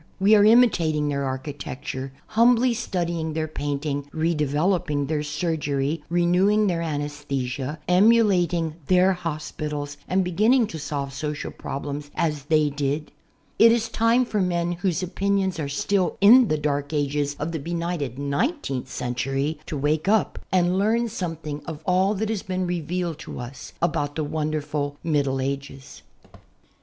We are imitating their architecture, humbly studying their painting, redevelc^ping their surgery, renewing their anesthesia, emulating their hospitals and beginning to solve social problems as they did. It is time for men whose opinions are still in the dark ages of the benighted nineteenth century to wake up and learn something of all that has been revealed to us about the wonderful Middle Ages.